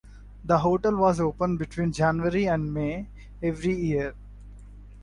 The hotel was open between January and May every year.